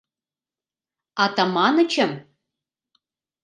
Атаманычым?